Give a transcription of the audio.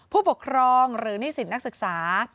ผู้ปกครองหรือนิสิตนักศึกษา